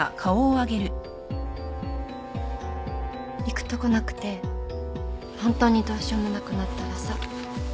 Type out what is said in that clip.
行くとこなくて本当にどうしようもなくなったらさ